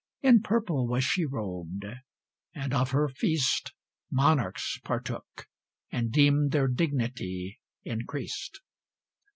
In purple was she robed, and of her feast Monarchs partook, and deemed their dignity increased.